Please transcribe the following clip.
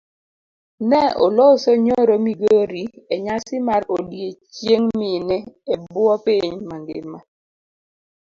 Ne oloso nyoro migori enyasi mar odiochieng' mine ebuo piny mangima.